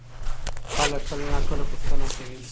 خلک کله ناکله پوښتنه کوي.